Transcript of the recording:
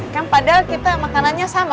kan padahal kita makanannya sama